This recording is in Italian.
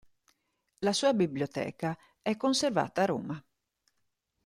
La sua biblioteca è conservata a Roma.